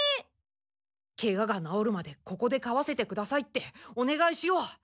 「ケガがなおるまでここで飼わせてください」ってお願いしよう。